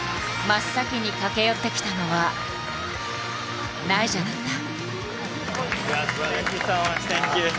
真っ先に駆け寄ってきたのはナイジャだった。